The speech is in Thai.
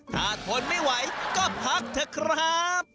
ถ้าทนไม่ไหวก็พักเถอะครับ